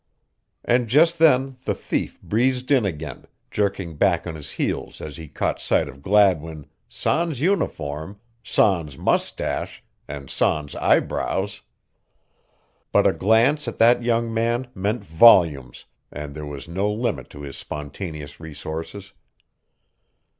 And just then the thief breezed in again, jerking back on his heels as he caught sight of Gladwin sans uniform, sans moustache and sans eyebrows. But a glance at that young man meant volumes and there was no limit to his spontaneous resources.